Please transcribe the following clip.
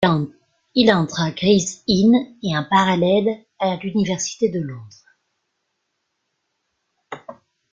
Il entre à Gray's Inn et en parallèle à l'Université de Londres.